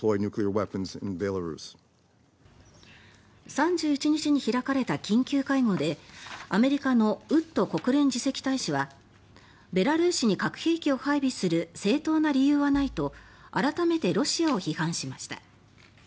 ３１日に開かれた緊急会合でアメリカのウッド国連次席大使はベラルーシに核兵器を配備する正当な理由はないと改めてロシアを批判しました。